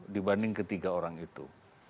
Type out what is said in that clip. dibanding ketiga orang itu